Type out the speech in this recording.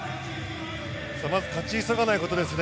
まずは勝ち急がないことですね。